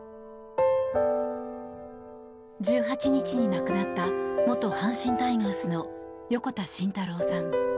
１８日に亡くなった元阪神タイガースの横田慎太郎さん。